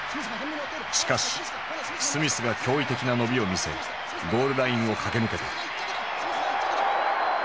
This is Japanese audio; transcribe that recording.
しかしスミスが驚異的な伸びを見せゴールラインを駆け抜けた。